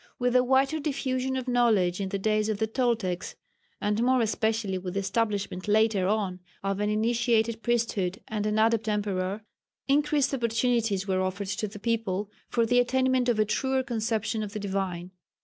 With the wider diffusion of knowledge in the days of the Toltecs, and more especially with the establishment later on of an initiated priesthood and an Adept emperor, increased opportunities were offered to the people for the attainment of a truer conception of the divine.